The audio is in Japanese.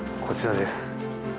こちらです。